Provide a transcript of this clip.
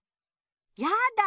やだ！